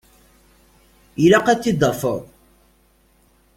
Ilaq ad t-id-tafeḍ.